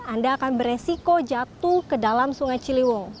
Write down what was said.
anda akan beresiko jatuh ke dalam sungai ciliwung